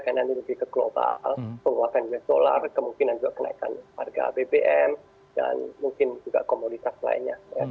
global penguasaan us dollar kemungkinan juga kenaikan harga bbm dan mungkin juga komunitas lainnya ya